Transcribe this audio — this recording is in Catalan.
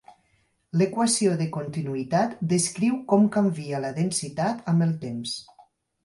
L'equació de continuïtat descriu com canvia la densitat amb el temps.